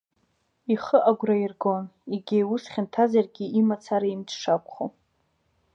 Ихы агәра аиргон, егьа иус хьанҭазаргьы, имацара имч шақәхо.